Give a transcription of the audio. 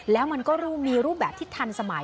แล้วมันก็มีรูปแบบที่ทันสมัย